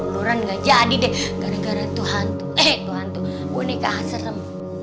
turun nggak jadi deh gara gara tuh hantu itu hantu boneka serem